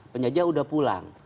penjajah sudah pulang